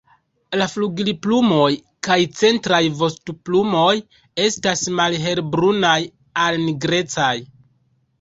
La flugilplumoj kaj centraj vostoplumoj estas malhelbrunaj al nigrecaj.